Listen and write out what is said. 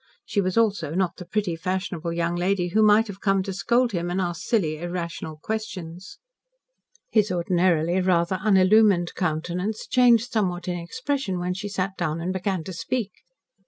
She was also not the pretty, fashionable young lady who might have come to scold him, and ask silly, irrational questions. His ordinarily rather unillumined countenance changed somewhat in expression when she sat down and began to speak. Mr.